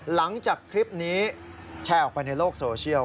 หลังจากคลิปนี้แชร์ออกไปในโลกโซเชียล